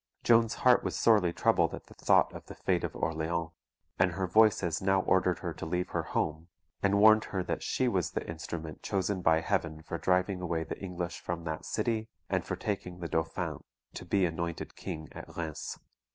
Joan's heart was sorely troubled at the thought of the fate of Orleans; and her Voices now ordered her to leave her home; and warned her that she was the instrument chosen by Heaven for driving away the English from that city, and for taking the Dauphin to be anointed king at Rheims.